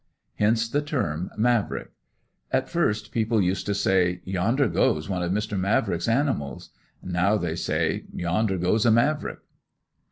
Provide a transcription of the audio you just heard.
Hence the term "Mavrick." At first people used to say: "Yonder goes one of Mr. Mavrick's animals!" Now they say: "Yonder goes a Mavrick!"